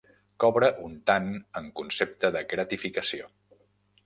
Cobra un tant en concepte de gratificació.